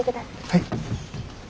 はい。